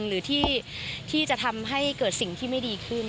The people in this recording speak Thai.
หรือที่จะทำให้เกิดสิ่งที่ไม่ดีขึ้น